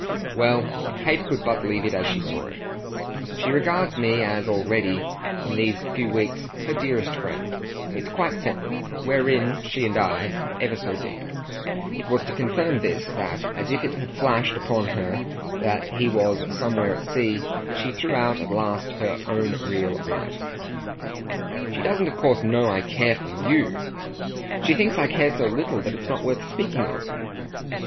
Well, Kate could but leave it as she saw it. "She regards me as already in these few weeks her dearest friend. It's quite separate. We're in, she and I, ever so deep." And it was to confirm this that, as if it had flashed upon her that he was somewhere at sea, she threw out at last her own real light. "She doesn't of course know I care for YOU. She thinks I care so little that it's not worth speaking of."